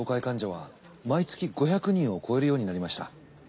患者は毎月５００人を超えるようになりました。